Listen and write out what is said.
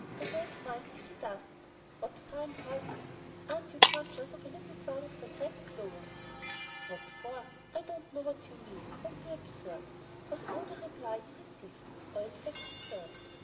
I don't mind if he doesn't. What fine horses. Aren't you conscious of a little qualm of regret, Clover?" "What for? I don't know what you mean. Don't be absurd," was all the reply he received, or in fact deserved.